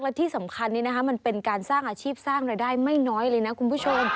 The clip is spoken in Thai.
และที่สำคัญนี้นะคะมันเป็นการสร้างอาชีพสร้างรายได้ไม่น้อยเลยนะคุณผู้ชม